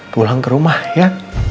pulang ke rumah ya